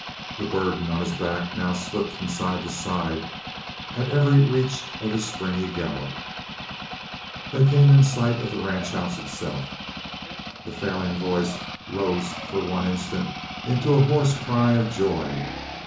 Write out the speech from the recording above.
The burden on his back now slipped from side to side at every reach of his springy gallop. They came in sight of the ranch house itself. The failing voice rose for one instant into a hoarse cry of joy.